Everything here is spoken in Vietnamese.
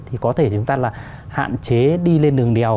thì có thể chúng ta là hạn chế đi lên đường đèo